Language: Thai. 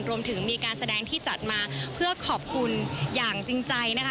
รวมถึงมีการแสดงที่จัดมาเพื่อขอบคุณอย่างจริงใจนะคะ